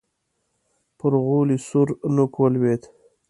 پر غولي سور نوک ولوېد.